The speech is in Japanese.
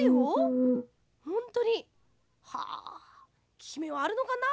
ききめはあるのかな？